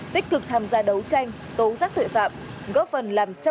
tích cực tham gia đấu tranh tố giác tội phạm